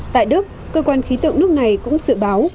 tại đức cơ quan khí tượng nước này cũng dự báo